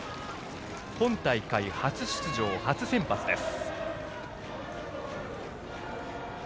今大会初出場、初先発です。